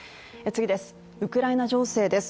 次です